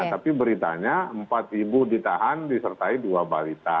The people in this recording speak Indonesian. tapi beritanya empat ibu ditahan disertai dua balita